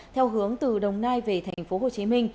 theo hướng từ đồng nai về tp hcm